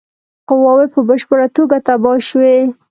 قواوي په بشپړه توګه تباه شوې.